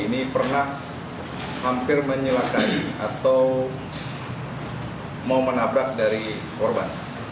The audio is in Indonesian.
ini pernah hampir menyelakai atau mau menabrak dari korban